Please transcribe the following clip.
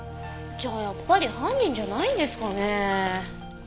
じゃあやっぱり犯人じゃないんですかねえ。